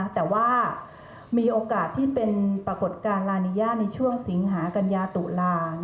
แต่ว่ามีโอกาสที่เป็นปรากฏการณ์ลานีย่าในช่วงสิงหากัญญาตุลา